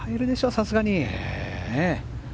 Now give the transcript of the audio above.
さすがに。